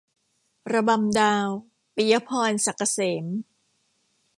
ระบำดาว - ปิยะพร ศักดิ์เกษม